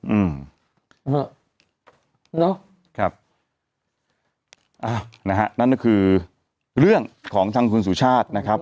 อืมเนอะครับอ้าวนะฮะนั่นก็คือเรื่องของทางคุณสุชาตินะครับ